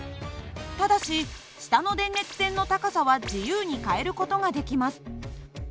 ただし下の電熱線の高さは自由に変える事ができます。